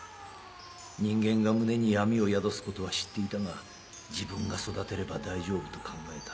人間が胸に闇を宿すことは知っていたが自分が育てれば大丈夫と考えた。